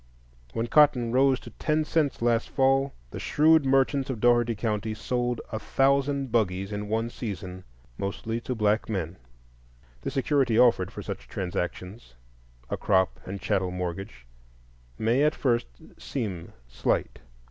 When cotton rose to ten cents last fall, the shrewd merchants of Dougherty County sold a thousand buggies in one season, mostly to black men. The security offered for such transactions—a crop and chattel mortgage—may at first seem slight.